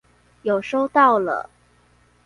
有收到了